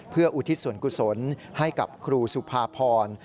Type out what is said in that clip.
เพื่ออุทิศส่วนกุศลให้กับครูสุภาพร